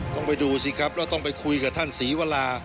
ต้องไปดูสิครับเราต้องไปคุยกับท่านศรีวรา